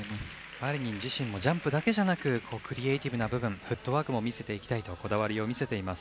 マリニン自身もジャンプだけじゃなくクリエーティブな部分フットワークも見せていきたいとこだわりを見せています。